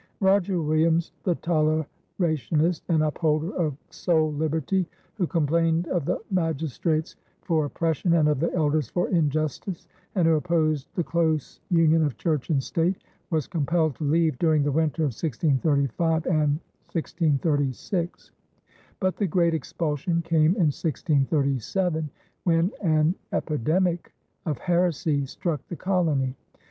Roger Williams, the tolerationist and upholder of soul liberty, who complained of the magistrates for oppression and of the elders for injustice and who opposed the close union of church and state, was compelled to leave during the winter of 1635 and 1636. But the great expulsion came in 1637, when an epidemic of heresy struck the colony.